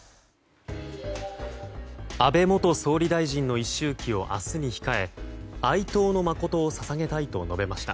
安倍元総理大臣の一周忌を明日に控え哀悼の誠を捧げたいと述べました。